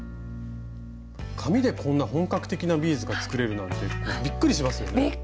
紙でこんな本格的なビーズが作れるなんてびっくりしますよね。